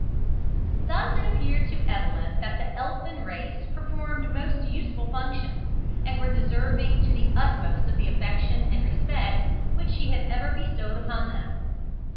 Thus it appeared to Evelyn that the elfin race performed most useful functions, and were deserving to the utmost of the affection and respect which she had ever bestowed upon them.